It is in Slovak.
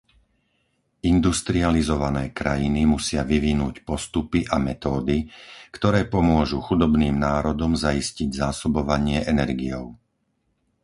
Industrializované krajiny musia vyvinúť postupy a metódy, ktoré pomôžu chudobným národom zaistiť zásobovanie energiou.